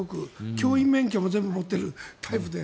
教員免許も持っているタイプで。